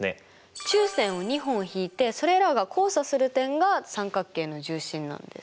中線を２本引いてそれらが交差する点が三角形の重心なんです。